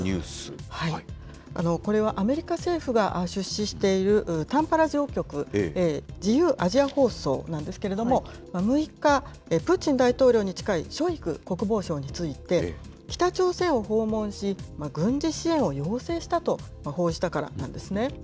これはアメリカ政府が出資している短波ラジオ局、自由アメリカ放送なんですけれども、６日、プーチン大統領に近いショイグ国防相について、北朝鮮を訪問し、軍事支援を要請したと報じたからなんですね。